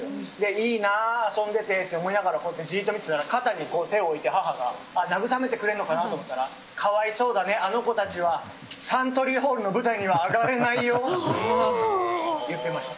いいな、遊んで照って思いながら、じーっと見ていたら肩に手を置いて母が慰めてくれるかと思ったら可哀想だね、あの子たちは。サントリーホールの舞台には上がれないよって言ってました。